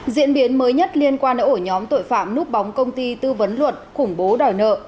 diễn biến mới nhất liên quan đến ổ nhóm tội phạm núp bóng công ty tư vấn luật khủng bố đòi nợ